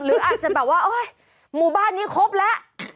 หรืออาจจะแบบว่าโอ๊ยหมู่บ้านนี้ครบแล้ว